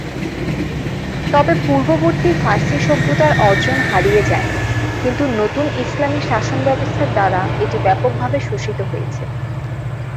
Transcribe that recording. তবে, পূর্ববর্তী ফার্সি সভ্যতার অর্জন হারিয়ে যায়নি, কিন্তু নতুন ইসলামী শাসন ব্যবস্থার দ্বারা এটি ব্যাপকভাবে শোষিত হয়েছে।